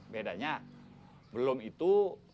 bedanya belum itu